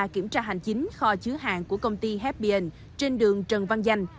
kiểm tra hành chính kho chứa hàng của công ty hepien trên đường trần văn danh